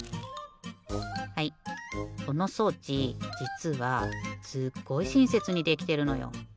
はいこの装置じつはすっごいしんせつにできてるのよ。